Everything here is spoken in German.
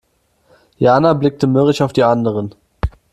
Jana blickte mürrisch auf die anderen.